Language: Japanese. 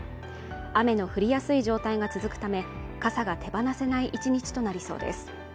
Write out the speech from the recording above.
雨の降りやすい状態が続くため傘が手放せない１日となりそうです